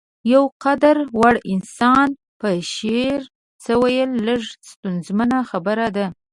د يو قدر وړ انسان په شعر څه ويل لږه ستونزمنه خبره ده.